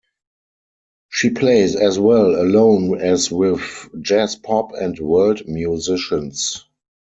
She plays as well alone as with jazz, pop, and world musicians.